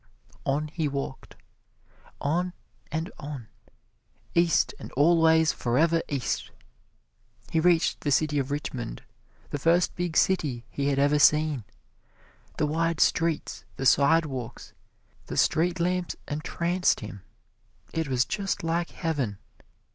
On he walked on and on east, and always forever east. He reached the city of Richmond, the first big city he had ever seen. The wide streets the sidewalks the street lamps entranced him. It was just like heaven.